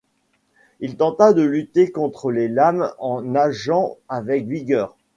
Il tenta de lutter contre les lames en nageant avec vigueur